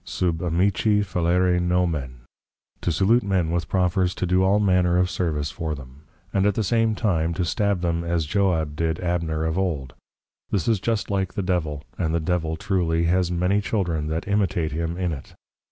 Sub Amici fallere Nomen, to Salute men with profers to do all manner of Service for them; and at the same time to Stab them as Joab did Abner of old; this is just like the Devil, and the Devil truly has many Children that Imitate him in it.